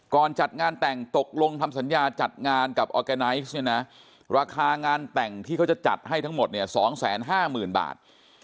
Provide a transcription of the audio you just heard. ก่อนจัดงานแต่งตกลงทำสัญญาจัดงานกับออร์แกนายซ์ราคางานแต่งที่เขาจะจัดให้ทั้งหมด๒๕๐๐๐๐บาท